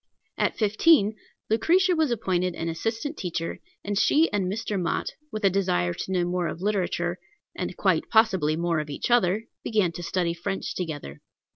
At fifteen, Lucretia was appointed an assistant teacher, and she and Mr. Mott, with a desire to know more of literature, and quite possibly more of each other, began to study French together.